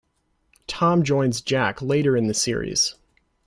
Tom joins Jack later in the series.